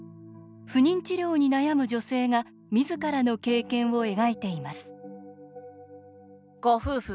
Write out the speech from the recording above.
不妊治療に悩む女性がみずからの経験を描いています